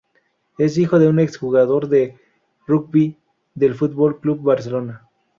Es hijo de un ex jugador de rugby del Fútbol Club Barcelona.